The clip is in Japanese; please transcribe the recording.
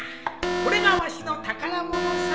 これがわしの宝物さ。